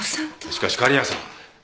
しかし狩矢さん。